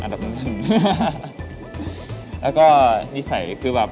แล้วก็นิสัยคือแบบ